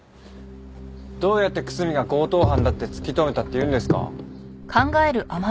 どうやって楠見が強盗犯だって突き止めたっていうんですか？